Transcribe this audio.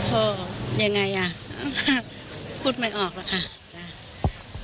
โหยังไงอะพูดไม่ออกแล้วค่ะ